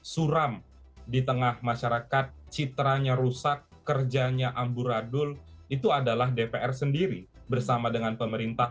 suram di tengah masyarakat citranya rusak kerjanya amburadul itu adalah dpr sendiri bersama dengan pemerintah